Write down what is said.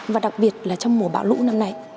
và đặc biệt là trong mùa bão lũ năm nay